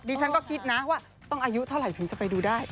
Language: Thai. ฉันก็คิดนะว่าต้องอายุเท่าไหร่ถึงจะไปดูได้